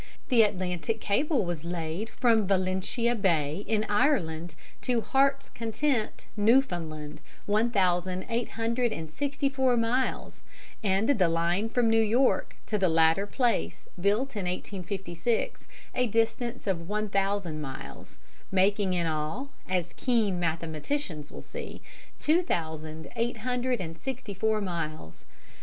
The Atlantic cable was laid from Valentia Bay in Ireland to Heart's Content, Newfoundland, one thousand eight hundred and sixty four miles, and the line from New York to the latter place built in 1856, a distance of one thousand miles, making in all, as keen mathematicians will see, two thousand eight hundred and sixty four miles.